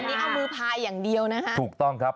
อันนี้เอามือพายอย่างเดียวนะคะถูกต้องครับ